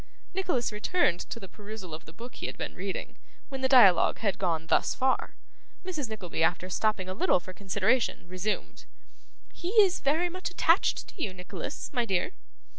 Nicholas returned to the perusal of the book he had been reading, when the dialogue had gone thus far. Mrs. Nickleby, after stopping a little for consideration, resumed. 'He is very much attached to you, Nicholas, my dear.